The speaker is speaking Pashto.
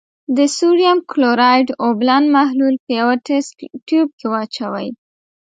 د سوډیم کلورایډ اوبلن محلول په یوه تست تیوب کې واچوئ.